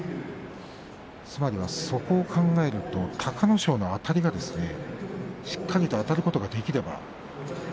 そこを考えると隆の勝のあたりがしっかりとあたることができれば。